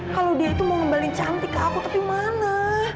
kalau dia itu mau ngembali cantik ke aku tapi mana